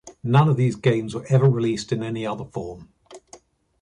None of these games were ever released in any other form.